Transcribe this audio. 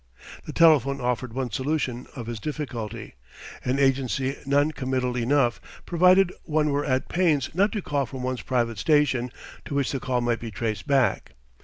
The telephone offered one solution of his difficulty, an agency non committal enough, provided one were at pains not to call from one's private station, to which the call might be traced back.